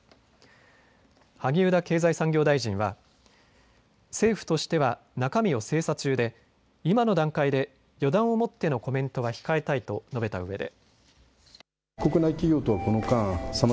萩生田経済産業大臣は、政府としては中身を精査中で今の段階で予断を持ってのコメントは控えたいと述べたうえで。